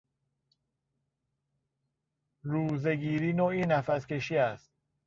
روزهگیری نوعی نفس کشی است.